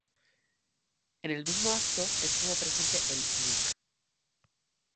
En el mismo acto estuvo presente el Lic.